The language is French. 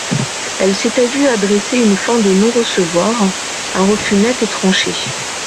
Elle s’était vue adresser une fin de non-recevoir, un refus net et tranché.